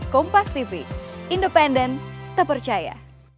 kompas tv independen terpercaya